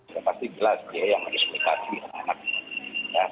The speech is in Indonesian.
ya pasti jelas b a yang menyesuaikan anak anak